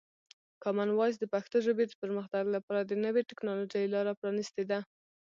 کامن وایس د پښتو ژبې د پرمختګ لپاره د نوي ټکنالوژۍ لاره پرانیستې ده.